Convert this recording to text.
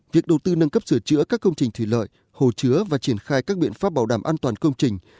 việc đầu tư nâng cấp sửa chữa các công trình thủy lợi hồ chứa và triển khai các biện pháp bảo đảm an toàn công trình